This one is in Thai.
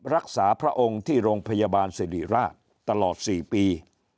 พระองค์ที่โรงพยาบาลสิริราชตลอด๔ปี